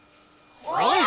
おい！